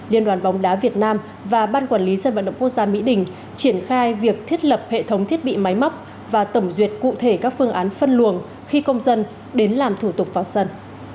liên đoàn bóng đá việt nam và ban quản lý sân vận động quốc gia mỹ đình triển khai việc thiết lập hệ thống thiết bị máy móc và tổng duyệt cụ thể các phương án phân luồng khi công dân đến làm thủ tục vào sân